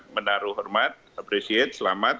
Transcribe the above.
menaruh hormat appreciate selamat